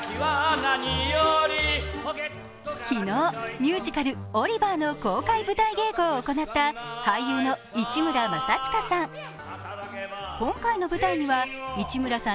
昨日、ミュージカル「オリバー」の公開舞台稽古を行った俳優の市村正親さん。